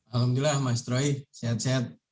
alhamdulillah mas troy sehat sehat